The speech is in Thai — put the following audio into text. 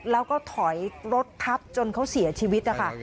แล้วก็ถอยรถทับจนเขาเสียชีวิตนะคะ